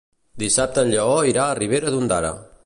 Dissabte en Lleó irà a Ribera d'Ondara.